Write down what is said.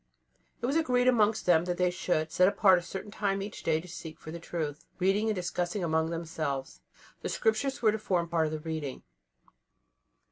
It was agreed amongst them that they should set apart a certain time every day to seek for the truth, reading and discussing among themselves. The Scriptures were to form part of the reading.